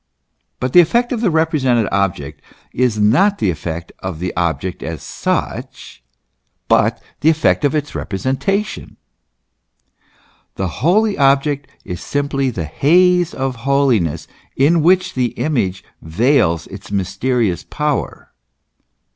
But the effect of the represented object is not the effect of the object as such, but the effect of the representation. The holy object is simply the haze of holiness in which the image veils its mysterious power.